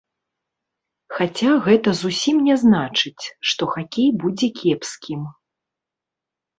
Хаця гэта зусім не значыць, што хакей будзе кепскім.